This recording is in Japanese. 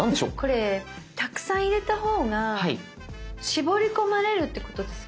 これたくさん入れた方が絞り込まれるってことですか？。